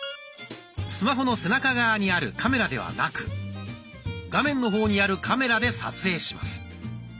スマホの背中側にあるカメラではなく画面の方にあるカメラで撮影します。